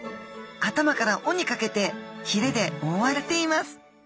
頭から尾にかけてひれで覆われています。